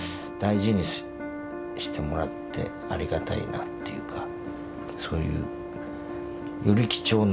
大事にしてもらってありがたいなっていうか。